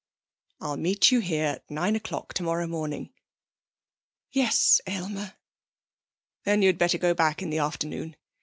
'I'll meet you here at nine o'clock tomorrow morning.' 'Yes, Aylmer.' 'Then you'd better go back in the afternoon.